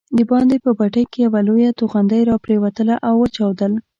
دباندې په بټۍ کې یوه لویه توغندۍ راپرېوتله او وچاودل.